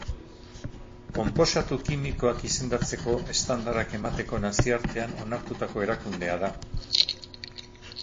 Konposatu kimikoak izendatzeko estandarrak emateko nazioartean onartutako erakundea da.